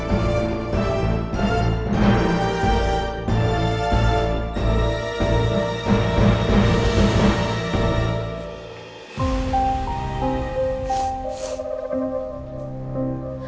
iya bu benda keburu